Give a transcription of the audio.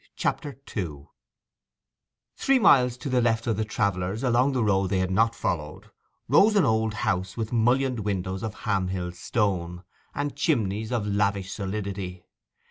CHAPTER II Three miles to the left of the travellers, along the road they had not followed, rose an old house with mullioned windows of Ham hill stone, and chimneys of lavish solidity.